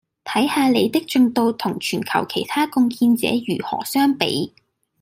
睇下您的進度同全球其他貢獻者如何相比